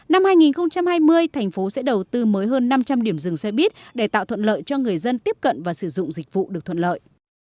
năm hai nghìn hai mươi thành phố sẽ đầu tư mới hơn năm trăm linh điểm rừng xe buýt để tạo thuận lợi cho người dân tiếp cận và sử dụng dịch vụ được thuận lợi